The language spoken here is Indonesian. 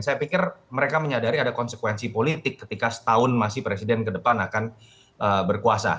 saya pikir mereka menyadari ada konsekuensi politik ketika setahun masih presiden ke depan akan berkuasa